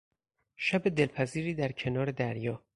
شب دلپذیری در کنار دریا